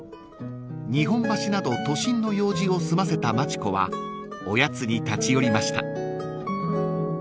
［日本橋など都心の用事を済ませた町子はおやつに立ち寄りました］